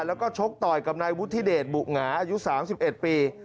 แล้วก็ชกต่อยกับนายวุฒิเดชบุหงาอายุ๓๑ปี